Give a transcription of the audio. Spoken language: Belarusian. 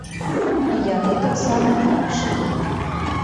І яны таксама танчылі.